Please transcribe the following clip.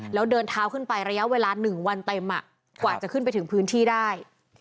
แล้วเดินเท้าขึ้นไประยะเวลา๑วันเต็มกว่าจะขึ้นไปถึงพื้นที่ได้